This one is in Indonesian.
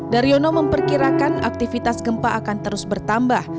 daryono memperkirakan aktivitas gempa akan terus bertambah